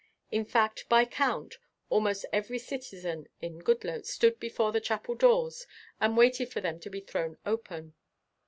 In fact, by count almost every citizen in Goodloets stood before the chapel doors and waited for them to be thrown open.